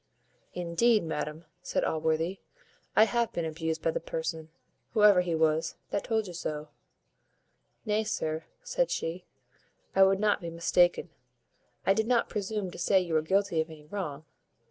"Indeed, madam," said Allworthy, "I have been abused by the person, whoever he was, that told you so." "Nay, sir," said she, "I would not be mistaken, I did not presume to say you were guilty of any wrong.